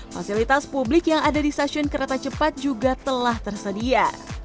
fasilitas publik yang ada di stasiun kereta cepat juga telah tersedia